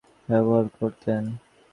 তিনি খাগানের চীনা সীলমোহর ব্যবহার করতেন।